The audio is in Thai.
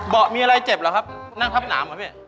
เบาะมีอะไรเจ็บเหรอครับนั่งทับหนามเหรอพี่